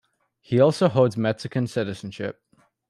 He also holds Mexican citizenship.